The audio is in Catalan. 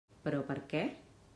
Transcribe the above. Però per què?